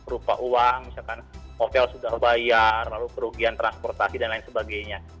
rupa uang misalkan hotel sudah bayar lalu kerugian transportasi dan lain sebagainya